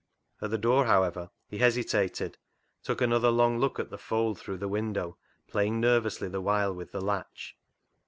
At the door, however, he hesitated, took another long look at the Fold through the window, playing nervously the while with the latch.